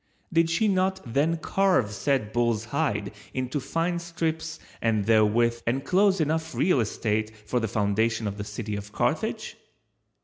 Did she not then carve said bull's hide into fine strips and therewith enclose enough real estate for the foundation of the city of Carthage?